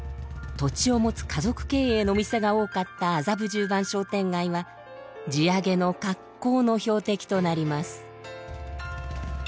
土地を持つ家族経営の店が多かった麻布十番商店街は地上げの格好の標的となります。